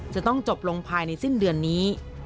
จะต้องจบลงภายในสิ้นเดือนนี้